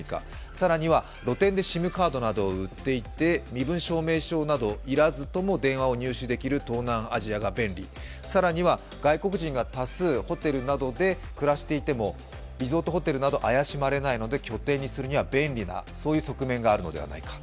更には、露店でＳＩＭカードなどを打っていて、身分証明書など要らずとも電話を入手できる東南アジアが便利、更には外国人が多数ホテルなどで暮らしていてもリゾートホテルなど怪しまれないので、便利などそういう側面があるのではないか。